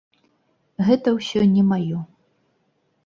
Гэта ўсё не маё.